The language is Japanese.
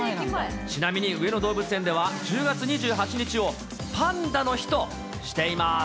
ちなみに上野動物園では、１０月２８日をパンダの日としています。